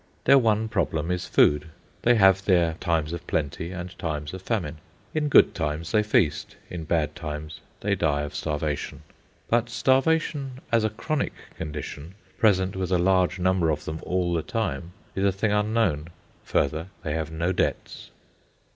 Their one problem is food. They have their times of plenty and times of famine. In good times they feast; in bad times they die of starvation. But starvation, as a chronic condition, present with a large number of them all the time, is a thing unknown. Further, they have no debts.